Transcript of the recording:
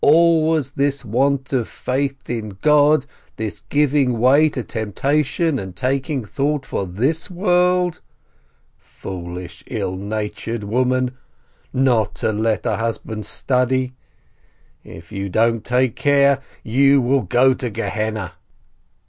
Always this want of faith in God, this giving way to temptation, and taking thought for this world ... foolish, ill natured woman ! Not to let a husband study ! If you don't take care, you will go to Gehenna."